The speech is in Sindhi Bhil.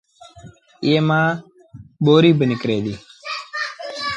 ايئي مآݩ ٻُوريٚ با نڪري ديٚ۔